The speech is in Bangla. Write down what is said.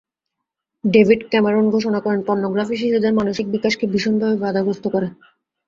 ডেভিড ক্যামেরন ঘোষণা করেন, পর্নোগ্রাফি শিশুদের মানসিক বিকাশকে ভীষণভাবে বাধাগ্রস্ত করে।